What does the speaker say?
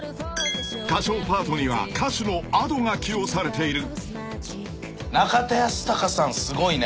［歌唱パートには歌手のＡｄｏが起用されている］